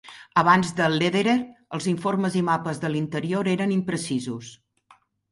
Abans de Lederer, els informes i mapes de l'interior eren imprecisos.